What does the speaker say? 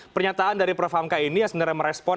pernyataan dari prof hamka ini yang sebenarnya merespon